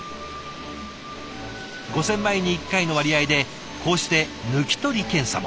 ５，０００枚に１回の割合でこうして抜き取り検査も。